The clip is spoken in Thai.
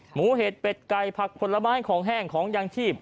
เห็ดเป็ดไก่ผักผลไม้ของแห้งของยางชีพ